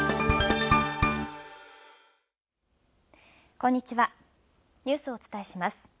こんにちはニュースをお伝えします。